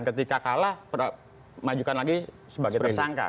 ketika kalah majukan lagi sebagai tersangka